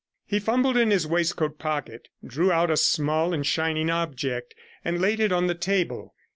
He fumbled in his waistcoat pocket, drew out a small and shining object, and laid it on the table.